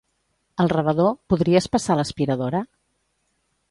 Al rebedor, podries passar l'aspiradora?